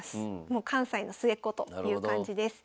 もう関西の末っ子という感じです。